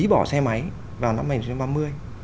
bỏ xe máy vào năm hai nghìn ba mươi